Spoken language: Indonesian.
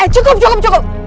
eh cukup cukup cukup